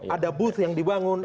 ada booth yang dibangun